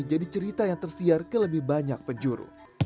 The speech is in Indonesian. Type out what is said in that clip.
jadi ketika dibakar